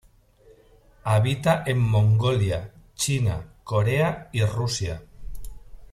Habita en Mongolia, China, Corea y Rusia.